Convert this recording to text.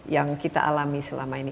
yang kita alami selama ini